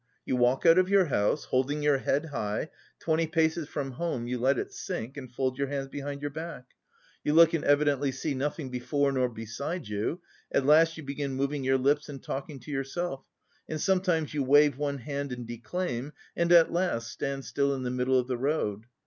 You walk out of your house holding your head high twenty paces from home you let it sink, and fold your hands behind your back. You look and evidently see nothing before nor beside you. At last you begin moving your lips and talking to yourself, and sometimes you wave one hand and declaim, and at last stand still in the middle of the road.